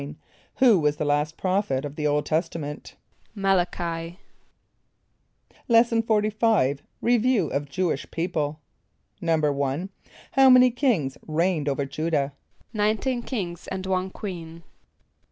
= Who was the last prophet of the Old Testament? =M[)a]l´a ch[=i].= Lesson XLV. Review of Jewish People. =1.= How many kings reigned over J[=u]´dah? =Nineteen kings and one queen.